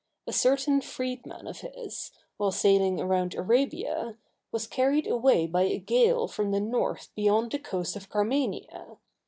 A certain freedman of his, while sailing around Arabia, was carried away by a gale from the north beyond the coast of Carmania.